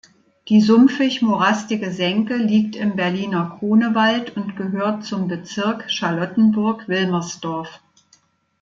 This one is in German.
Die sumpfig-morastige Senke liegt im Berliner Grunewald und gehört zum Bezirk Charlottenburg-Wilmersdorf.